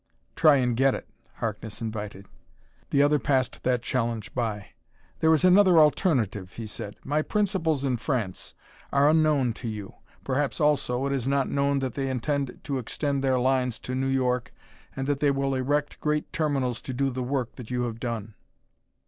"Try and get it," Harkness invited. The other passed that challenge by. "There is another alternative," he said. "My principals in France are unknown to you; perhaps, also, it is not known that they intend to extend their lines to New York and that they will erect great terminals to do the work that you have done.